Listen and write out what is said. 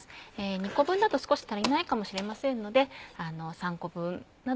２個分だと少し足りないかもしれませんので３個分など。